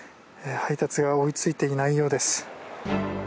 配達が追いついていないようです。